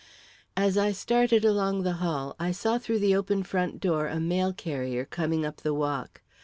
As I started along the hall, I saw through the open front door a mail carrier coming up the walk.